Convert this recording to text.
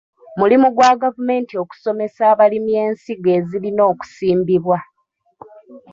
Mulimu gwa gavumenti okusomesa abalimi ensigo ezirina okusimbibwa.